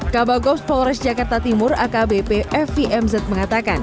kabupaten polores jakarta timur akbp fimz mengatakan